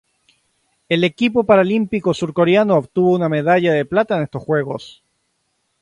El equipo paralímpico surcoreano obtuvo una medalla de plata en estos Juegos.